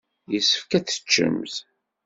Yessefk ad teččemt.